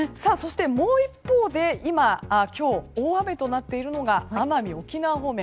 もう一方で今日、大雨となっているのが奄美、沖縄方面。